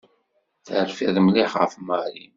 Terfiḍ mliḥ ɣef Mary.